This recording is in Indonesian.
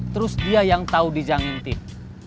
terus dia yang tahu diza ngintip